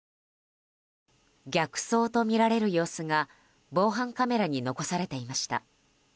逆走とみられる様子が防犯カメラに残されていました。